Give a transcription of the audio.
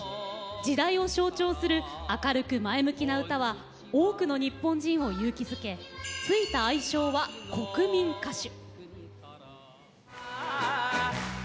時代を象徴する明るく前向きな歌は多くの日本人を勇気づけ付いた愛称は国民歌手。